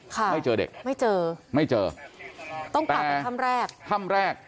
ไม่เจอเด็กไม่เจอต้องกลับไปถ้ำแรกแต่ถ้ำแรก